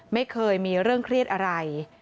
ไม่เคยมีเรื่องเครียดอะไร